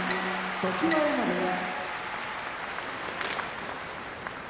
常盤山部屋